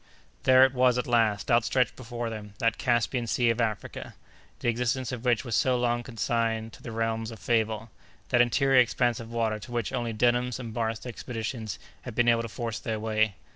There it was at last, outstretched before them, that Caspian Sea of Africa, the existence of which was so long consigned to the realms of fable—that interior expanse of water to which only Denham's and Barth's expeditions had been able to force their way.